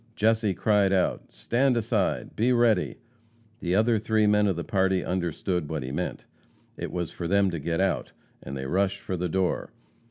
Jesse cried out: "Stand aside! Be ready!" The other three men of the party understood what he meant. It was for them to get out, and they rushed for the door.